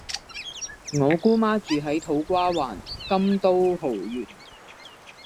我姑媽住喺土瓜灣金都豪苑